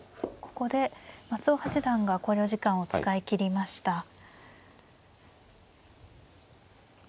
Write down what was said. ここで松尾八段が考慮時間を使い切りました。